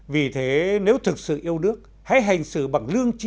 vì thế nếu thực sự yêu nước hãy hành xử bằng lương trí